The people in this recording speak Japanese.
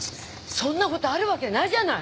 そんなことあるわけないじゃない！